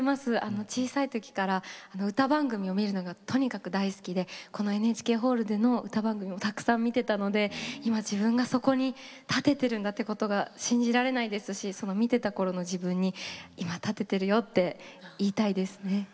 小さい時から歌番組を見るのがとにかく大好きでこのＮＨＫホールでの歌番組もたくさん見てたので今自分がそこに立ててるんだってことが信じられないですし見てたころの自分に今立ててるよって言いたいですね。